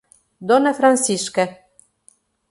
Dona Francisca